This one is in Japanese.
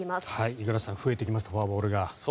五十嵐さん増えてきましたフォアボールが。